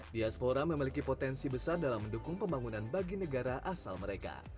diaspora memiliki potensi besar dalam mendukung pembangunan bagi negara asal mereka